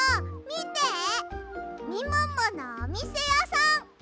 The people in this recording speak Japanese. みもものおみせやさん！